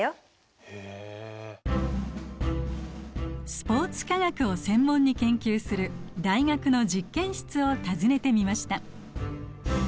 スポーツ科学を専門に研究する大学の実験室を訪ねてみました。